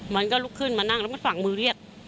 มันก็ลุกขึ้นมานั่งแล้วมันฝั่งมือเรียก